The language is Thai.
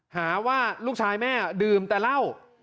หาว่าลูกชายแม่ดื่มแต่เหล้า